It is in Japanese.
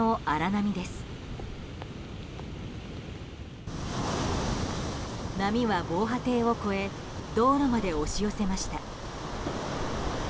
波は防波堤を越え道路まで押し寄せました。